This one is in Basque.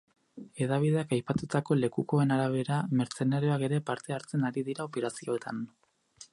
Hedabideak aipatutako lekukoen arabera, mertzenarioak ere parte hartzen ari dira operazioetan.